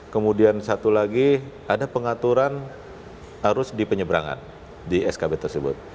kemudian satu lagi ada pengaturan arus di penyeberangan di skb tersebut